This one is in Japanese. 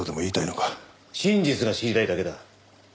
真実が知りたいだけだ。